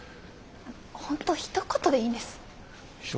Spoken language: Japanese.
ほんとひと言でいいんです。